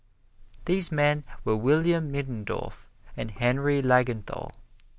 These men were William Middendorf and Henry Langenthal.